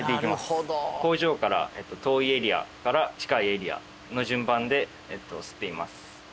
工場から遠いエリアから近いエリアの順番で刷っています。